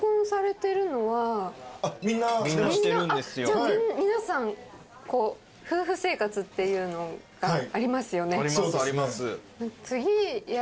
じゃあ皆さん夫婦生活っていうのがありますよね？